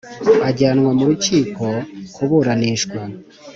ajyanwa mu rukiko kuburanishwa,